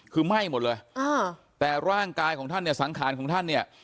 คือไหม้หมดเลยอ่าแต่ร่างกายของท่านเนี่ยสังขารของท่านเนี่ย